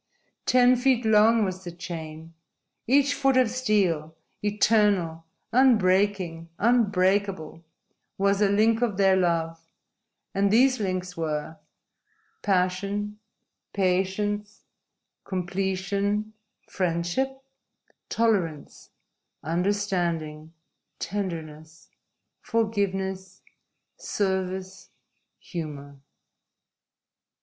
Ten feet long was the chain. Each foot of steel eternal, unbreaking, unbreakable was a link of their love, and these links were: Passion, patience, completion, friendship, tolerance, understanding, tenderness, forgiveness, service, humor."